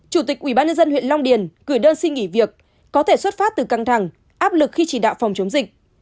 chủ tịch ubnd huyện long điền gửi đơn xin nghỉ việc có thể xuất phát từ căng thẳng áp lực khi chỉ đạo phòng chống dịch